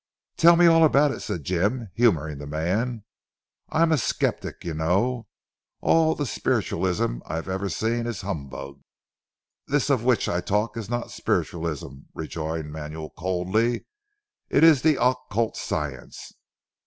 "Tell me all about it," said Jim humouring the man, "I am a sceptic you know. All the spiritualism I have ever seen is humbug." "This of which I talk is not spiritualism," rejoined Manuel coldly, "it is the occult science.